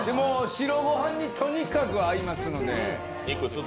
白ご飯に、とにかく合いますので。